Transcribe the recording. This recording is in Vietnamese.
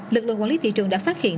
lực lượng quản lý thị trường đã phát hiện